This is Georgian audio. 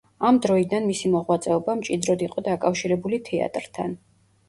ამ დროიდან მისი მოღვაწეობა მჭიდროდ იყო დაკავშირებული თეატრთან.